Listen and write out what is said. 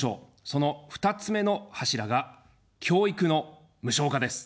その２つ目の柱が、教育の無償化です。